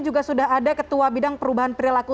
juga sudah ada ketua bidang perubahan perilaku